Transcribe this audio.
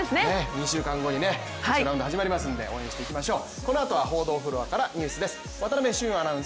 ２週間後に決勝ラウンド始まりますんで応援していきましょう。